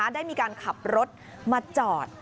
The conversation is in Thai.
ได้มีการขับรถมาจอด